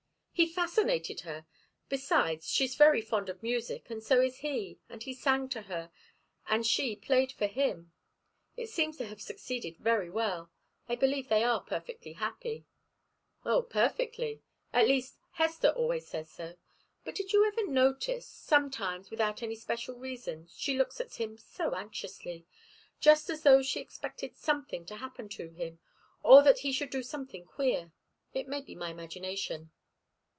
"He fascinated her. Besides, she's very fond of music, and so is he, and he sang to her and she played for him. It seems to have succeeded very well. I believe they are perfectly happy." "Oh, perfectly. At least, Hester always says so. But did you ever notice sometimes, without any special reason, she looks at him so anxiously? Just as though she expected something to happen to him, or that he should do something queer. It may be my imagination."